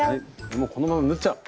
もうこのまま縫っちゃおう。